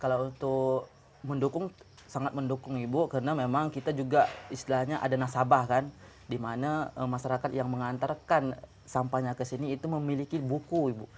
kalau untuk mendukung sangat mendukung ibu karena memang kita juga istilahnya ada nasabah kan di mana masyarakat yang mengantarkan sampahnya ke sini itu memiliki buku ibu